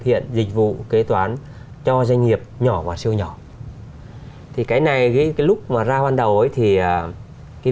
hiện dịch vụ kế toán cho doanh nghiệp nhỏ và siêu nhỏ thì cái này cái lúc mà ra ban đầu ấy thì cái